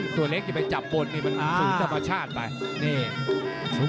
ตัวเล็กอยู่ไปจับบนสูงธรรมชาติไป